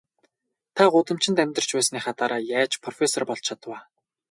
Та гудамжинд амьдарч байсныхаа дараа яаж профессор болж чадав аа?